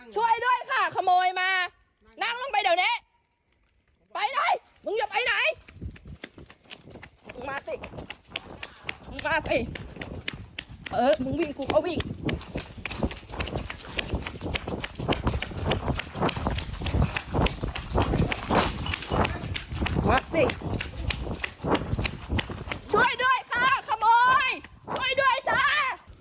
ช่วยด้วยค้าขโมยช่วยด้วยจ้า